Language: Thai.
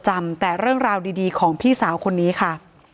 จำแต่เรื่องราวดีของพี่สาวคนนี้ค่ะ